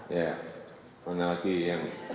iya mana lagi yang belum